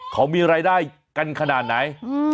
เขามีรายได้กันขนาดไหน